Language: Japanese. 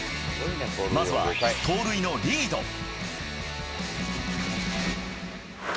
まずは盗塁のリード。